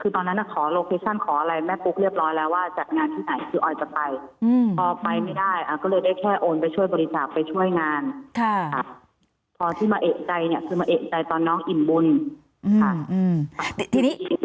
คือเด็กที่แข็งแรงคนนั้น